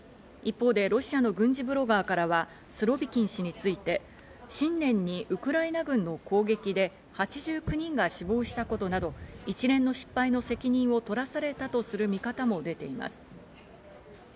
一方で、ロシアの軍事ブロガーからはスロビキン氏について、新年にウクライナ軍の攻撃で８９人が死亡したことなど、一連の失敗の責任を取らされたとする見方も出ています。